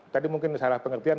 tadi mungkin salah pengertian